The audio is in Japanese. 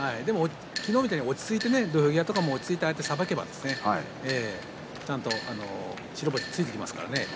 昨日みたいに土俵際も落ち着いてさばけばちゃんと白星がついてきますからね。